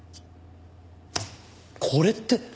これって。